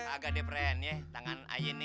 agak depresen ya tangan ayin